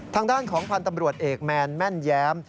ทางด้านของพันธ์ตำรวจเอกแมนแม่นแย้ม